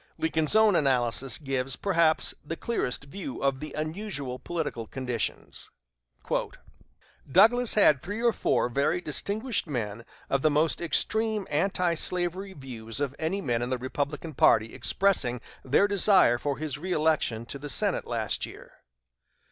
Lincoln's own analysis gives, perhaps, the clearest view of the unusual political conditions: "Douglas had three or four very distinguished men of the most extreme antislavery views of any men in the Republican party expressing their desire for his reëlection to the Senate last year.